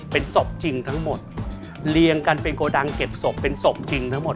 เป็นศพจริงทั้งหมดเรียงกันเป็นโกดังเก็บศพเป็นศพจริงทั้งหมด